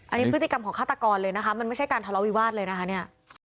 อันนี้พฤติกรรมของฆาตกรเลยนะคะมันไม่ใช่การทะเลาวิวาสเลยนะคะเนี่ย